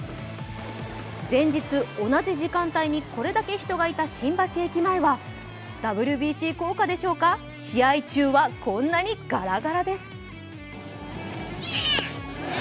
前日、同じ時間帯にこれだけ人がいた新橋駅前は、ＷＢＣ効果でしょうか試合中はこんなにガラガラです。